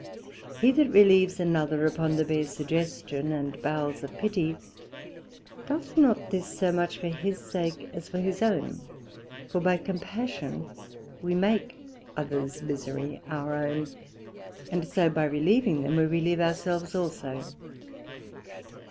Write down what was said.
He that relieves another upon the bare suggestion and bowels of pity, doth not this so much for his sake, as for his own: for by compassion we make others misery our own, and so by relieving them, we relieve our selves also.